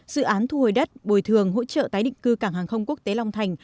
dự án thu hồi đất bồi thường hỗ trợ tái định cư cảng hàng không quốc tế long thành